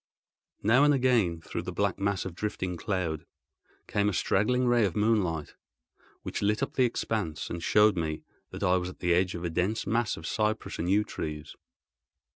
Now and again, through the black mass of drifting cloud, came a straggling ray of moonlight, which lit up the expanse, and showed me that I was at the edge of a dense mass of cypress and yew trees.